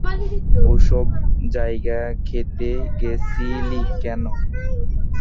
ওসব জায়গায় খেতে গেছিলি কেন!